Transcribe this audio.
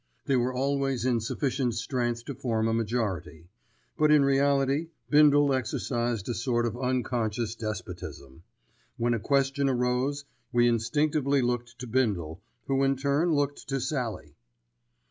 They were always in sufficient strength to form a majority; but in reality Bindle exercised a sort of unconscious despotism. When a question arose, we instinctively looked to Bindle, who in turn looked to Sallie.